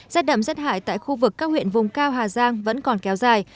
giác đẩm giác hải tại khu vực các huyện vùng cao hà giang vẫn còn kéo dài